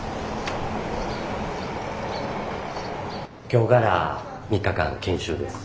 今日から３日間研修です。